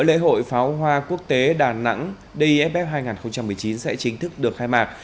lễ hội pháo hoa quốc tế đà nẵng d i f f hai nghìn một mươi chín sẽ chính thức được khai mạc